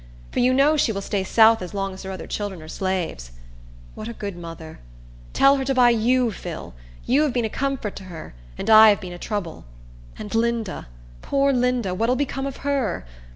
For you know she will stay south as long as her other children are slaves. What a good mother! Tell her to buy you, Phil. You have been a comfort to her, and I have been a trouble. And Linda, poor Linda; what'll become of her?